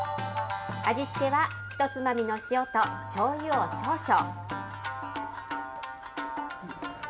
味付けはひとつまみの塩としょうゆを少々。